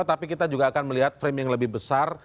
tapi kita juga akan melihat frame yang lebih besar